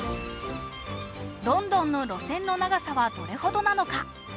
ロンドンの路線の長さはどれほどなのか？